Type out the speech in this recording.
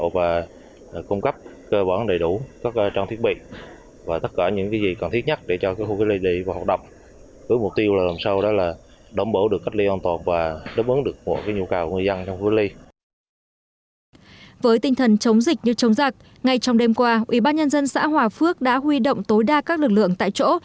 với tinh thần chống dịch như chống giặc ngay trong đêm qua ủy ban nhân dân xã hòa phước đã huy động tối đa các lực lượng tại chỗ